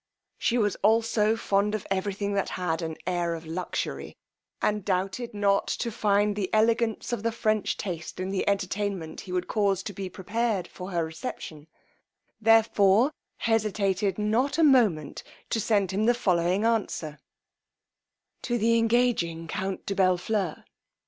She was also fond of every thing that had an air of luxury, and doubted not to find the elegance of the French taste in the entertainment he would cause to be prepared for her reception, therefore hesitated not a moment to send him the following answer: To the engaging count DE BELLFLEUR.